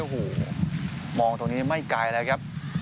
โอ้โหมองตรงนี้ไม่ไกลแล้วครับ